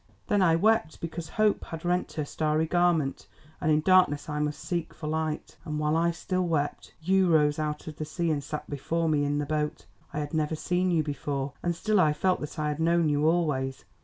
"Then I wept because Hope had rent her starry garment and in darkness I must seek for light. And while I still wept, you rose out of the sea and sat before me in the boat. I had never seen you before, and still I felt that I had known you always.